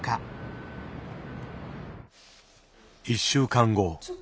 １週間後。